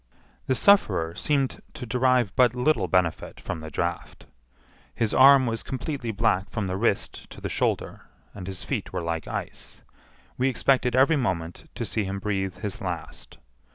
The sufferer seemed to derive but little benefit from the draught. His arm was completely black from the wrist to the shoulder, and his feet were like ice. We expected every moment to see him breathe his last.